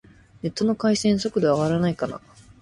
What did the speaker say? ネット回線、速度上がらないかな